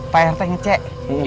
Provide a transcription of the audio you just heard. pak rt ngecek